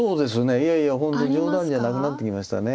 いやいや本当に冗談じゃなくなってきました。